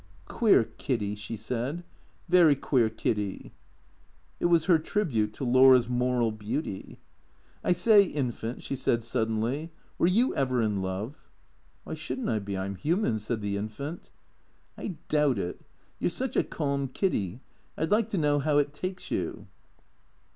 " Queer Kiddy," she said, " very queer Ividdy." It was her tribute to Laura's moral beauty. " I say, Infant," she said suddenly, " were you ever in love ?"" Why should n't I be ? I 'm human," said the Infant. " I doubt it. You 're such a calm Kiddy. I 'd like to know how it takes you."